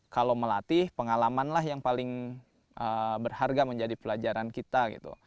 kalau melatih pengalamanlah yang paling berharga menjadi pelajaran kita